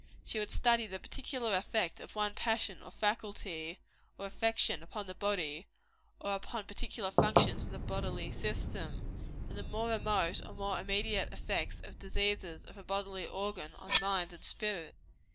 She would study the particular effect of one passion, or faculty, or affection, upon the body, or upon particular functions of the bodily system and the more remote or more immediate effects of diseases of a bodily organ on mind and spirit.